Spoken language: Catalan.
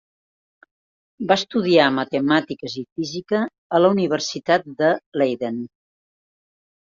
Va estudiar matemàtiques i física a la Universitat de Leiden.